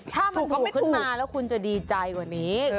ถ้ามันทำขึ้นมาแล้วคุณจะดีใจกว่านี้